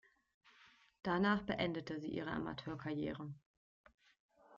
Danach beendete sie ihre Amateurkarriere.